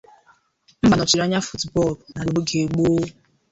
mgba nọchiri anya futu bọọlụ n’ala Igbo n’oge gboo.